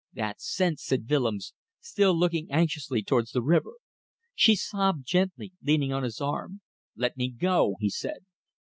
"That's sense," said Willems, still looking anxiously towards the river. She sobbed gently, leaning on his arm. "Let me go," he said.